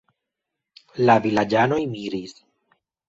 La vilaĝanoj miris.